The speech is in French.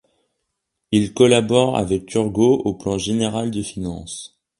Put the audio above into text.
Il collabore avec Turgot au plan général de finances.